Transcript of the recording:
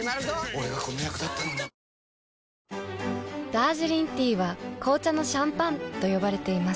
俺がこの役だったのにダージリンティーは紅茶のシャンパンと呼ばれています。